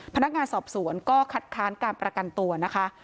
พนักงานสอบสวนก็คัดค้านการประกันตัวนะคะ